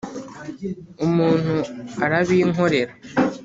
umuntu arabinkorera.